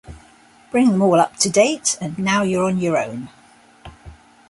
'Bring them all up-to-date, and now you're on your own.'.